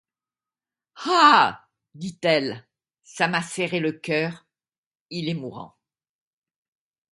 Ah! dit-elle, ça m’a serré le cœur... il est mourant...